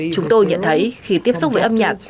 chúng tôi nhận thấy khi tiếp xúc với âm nhạc